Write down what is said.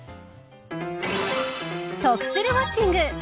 得するウォッチング